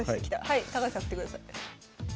はい高橋さん振ってください。